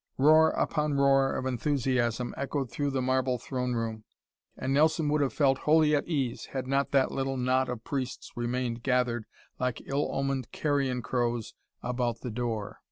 Roar upon roar of enthusiasm echoed through the marble throne room, and Nelson would have felt wholly at ease had not that little knot of priests remained gathered like ill omened carrion crows about the door.